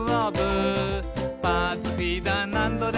「パーツフィーダーなんどでも」